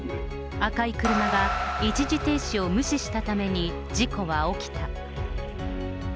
赤い車が一時停止を無視したために事故は起きた。